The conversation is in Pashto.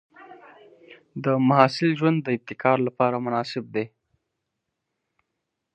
د محصل ژوند د ابتکار لپاره مناسب دی.